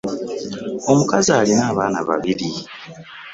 Omukazi alina abaana babiri.